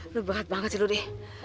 nuh banget banget sih lo dik